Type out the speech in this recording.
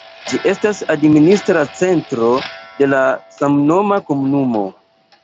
Ĝi estas administra centro de la samnoma komunumo.